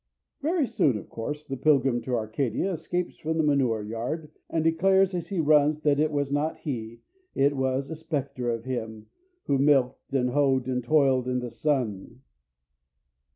Very soon, of course, the pilgrim to Arcadia escapes from the manure yard, and declares as he runs that it was not he, it was a spectre of him, who milked and hoed and toiled in the sun.